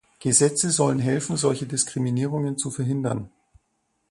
Gesetze sollen helfen, solche Diskriminierungen zu verhindern.